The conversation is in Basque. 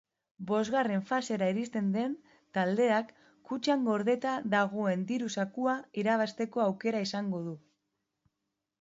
Bosgarren fasera iristen den taldeak kutxan gordeta dagoen diru-zakua irabazteko aukera izango du.